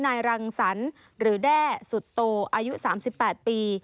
นายรังสรรค์หรือแด้สุดโตอายุ๓๘ปี